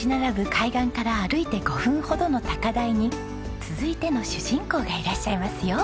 海岸から歩いて５分ほどの高台に続いての主人公がいらっしゃいますよ。